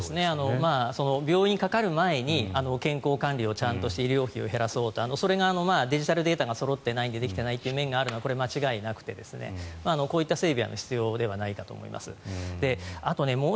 病院にかかる前に健康管理をちゃんとして医療費を減らそうってそれがデジタルデータがそろっていないので出てきていないというのはこれは間違いなくてこういった整備は必要ではないかと思います。